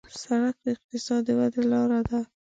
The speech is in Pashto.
سړک د اقتصاد د ودې لاره ده.